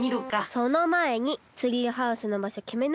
そのまえにツリーハウスのばしょきめないと。